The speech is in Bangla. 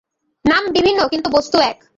নাম বিভিন্ন, কিন্তু বস্তু এক।